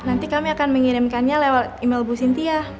nanti kami akan mengirimkannya lewat email bu sintia